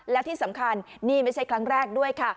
และที่สำคัญนี่ไม่ใช่ครั้งแรกด้วยค่ะ